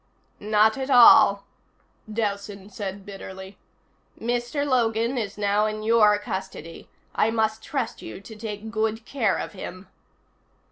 "Not at all," Dowson said bitterly. "Mr. Logan is now in your custody. I must trust you to take good care of him."